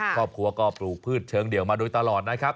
ครอบครัวก็ปลูกพืชเชิงเดี่ยวมาโดยตลอดนะครับ